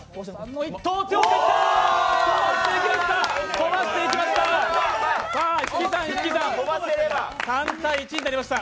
飛ばしていきました。